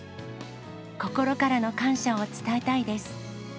心からの感謝を伝えたいです。